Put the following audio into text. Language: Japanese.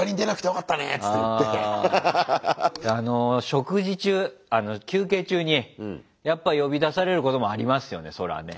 食事中休憩中にやっぱ呼び出されることもありますよねそらあね。